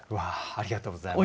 ありがとうございます。